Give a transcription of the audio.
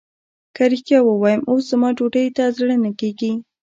که رښتيا ووايم اوس زما ډوډۍ ته زړه نه کېږي.